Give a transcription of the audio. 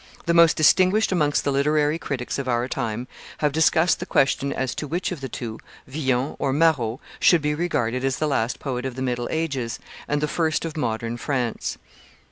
The most distinguished amongst the literary critics of our time have discussed the question as to which of the two, Villon or Marot, should be regarded as the last poet of the middle ages and the first of modern France.